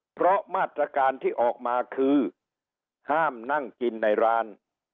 เพราะมาตรการที่ออกมาคือห้ามนั่งกินในร้าน